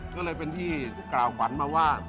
ก็เลยเป็นที่กล่าวฝันมาว่า